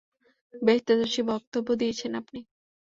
বেশ তেজস্বী বক্তব্য দিয়েছেন আপনি!